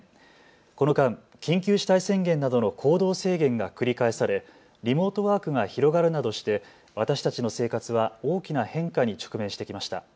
この間、緊急事態宣言などの行動制限が繰り返されリモートワークが広がるなどして私たちの生活は大きな変化に直面してきました。